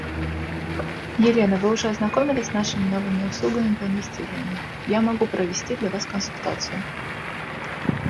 Thank you again for the opportunity to speak with you today.